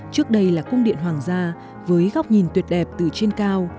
trước đây là cung điện hoàng gia với góc nhìn tuyệt đẹp từ trên cao